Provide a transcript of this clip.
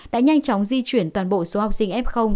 đã nhanh chóng di chuyển toàn bộ số học sinh ép không